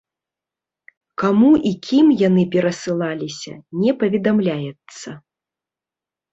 Каму і кім яны перасылаліся, не паведамляецца.